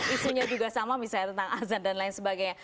isunya juga sama misalnya tentang azan dan lain sebagainya